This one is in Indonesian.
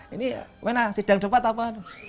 ini sedang depan apa